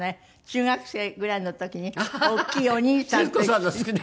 中学生ぐらいの時に大きいお兄さんと一緒に。